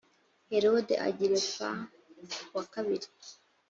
herode agiripa wa kabiri